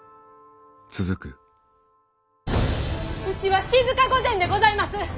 うちは静御前でございます！